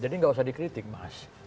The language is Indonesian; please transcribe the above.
jadi gak usah dikritik mas